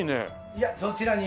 いやそちらに。